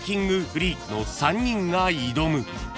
フリークの３人が挑む］